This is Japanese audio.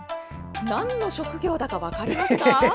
なんの職業だか分かりますか？